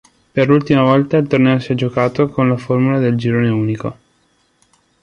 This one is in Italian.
Per l'ultima volta il torneo si è giocato con la formula del girone unico.